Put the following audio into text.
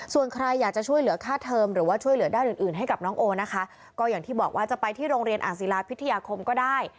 ส่วนใครอยากจะช่วยเหลือค่าเทอมหรือว่าช่วยเหลือด้านอื่นอื่นให้กับน้องโอนะคะก็อย่างที่บอกว่าจะไปที่โรงเรียนอ่างศิลาพิทยาคมก็ได้